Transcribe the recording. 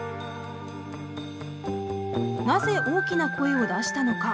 なぜ大きな声を出したのか。